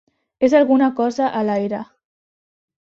És alguna cosa a l'aire.